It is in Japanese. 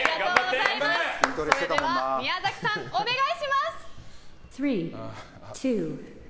それでは宮崎さんお願いします。